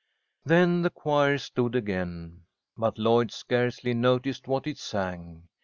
Then the choir stood again, but Lloyd scarcely noticed what it sang.